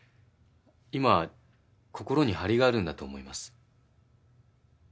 今心に張りがあるんだと思います。